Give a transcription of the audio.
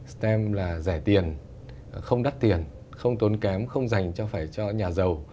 stem là rẻ tiền không đắt tiền không tốn kém không dành cho phải cho nhà giàu